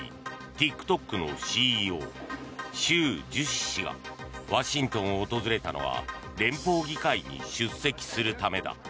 ＴｉｋＴｏｋのＣＥＯシュウ・ジュシ氏がワシントンを訪れたのは連邦議会に出席するためだ。